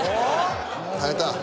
耐えた。